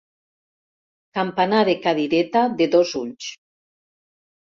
Campanar de cadireta de dos ulls.